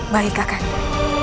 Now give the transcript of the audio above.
baik kakak anda